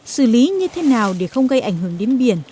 xử lý như thế nào để không gây ảnh hưởng đến biển